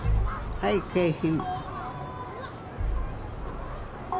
はい景品。